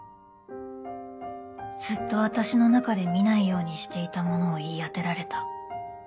ずっと私の中で見ないようにしていたものを言い当てられた